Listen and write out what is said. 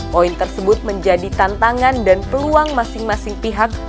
poin tersebut menjadi tantangan dan peluang masing masing pihak